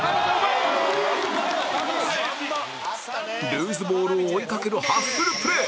ルーズボールを追いかけるハッスルプレー！